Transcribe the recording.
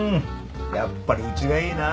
やっぱりうちがいいな！